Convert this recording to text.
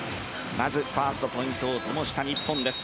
まずファーストポイントを灯した日本です。